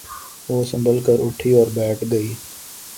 وہ سنبھل کر اٹھی اور بیٹھ گئی۔